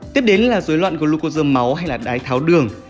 tiếp đến là dối loạn glocos máu hay là đái tháo đường